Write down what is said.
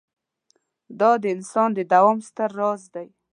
دا د انسان د دوام ستر راز دی.